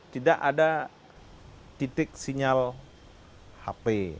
tidak ada titik sinyal hp